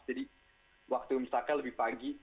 jadi waktu misalnya lebih pagi